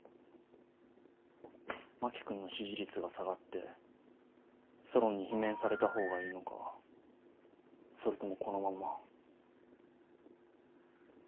真木君の支持率が下がってソロンに罷免された方がいいのかそれともこのまま。